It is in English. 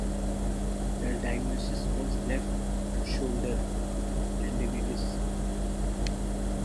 The diagnosis was left shoulder tendinitis.